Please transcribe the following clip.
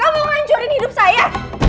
kamu ngancurin hidup saya